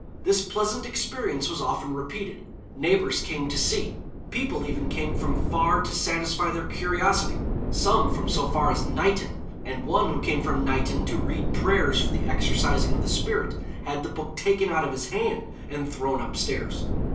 This pleasant experience was often repeated. Neighbours came to see. People even came from far to satisfy their curiosity some from so far as Knighton; and one who came from Knighton to read prayers for the exorcising of the spirit, had the book taken out of his hand and thrown upstairs.